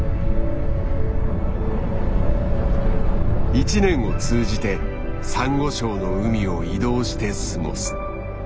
１年を通じてサンゴ礁の海を移動して過ごす。